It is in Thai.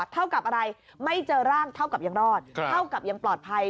เท่ากับอะไรไม่เจอร่างเท่ากับยังรอดเท่ากับยังปลอดภัย